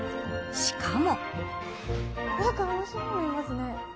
しかも。